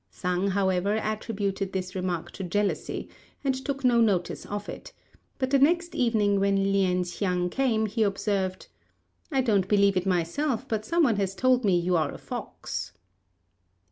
Sang, however, attributed this remark to jealousy, and took no notice of it; but the next evening when Lien hsiang came, he observed, "I don't believe it myself, but some one has told me you are a fox."